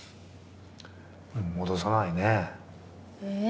戻さないねぇ。え。